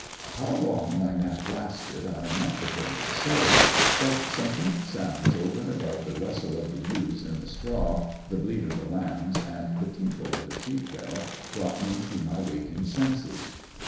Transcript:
'How long my nap lasted I am not prepared to say. But some faint sounds over and above the rustle of the ewes in the straw, the bleat of the lambs, and the tinkle of the sheep bell brought me to my waking senses.